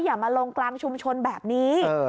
อย่ามาลงกลางชุมชนแบบนี้